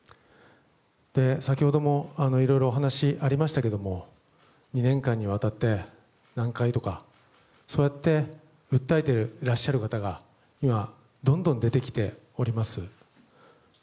先ほどもいろいろお話がありましたけれども２年間にわたって何回とかそうやって訴えてらっしゃる方が今、どんどん出てきております。